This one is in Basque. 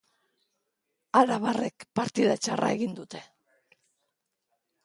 Arabarrek partida txarra egin dute.